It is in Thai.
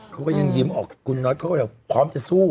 เขาก็ยังยิ้มออกคุณน็อตเขาก็เลยพร้อมจะสู้